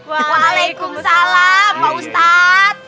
waalaikumsalam pak ustadz